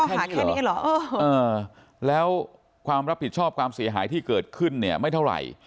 หาแค่นี้เหรอแล้วความรับผิดชอบความเสียหายที่เกิดขึ้นเนี่ยไม่เท่าไหร่